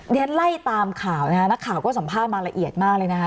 ฉันไล่ตามข่าวนะคะนักข่าวก็สัมภาษณ์มาละเอียดมากเลยนะคะ